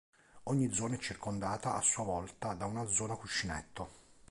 Ogni zona è circondata a sua volta da una zona cuscinetto.